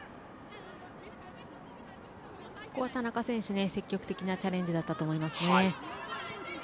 田中選手、積極的なチャレンジだったと思います。